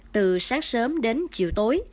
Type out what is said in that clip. từ sáng sớm đến chiều tối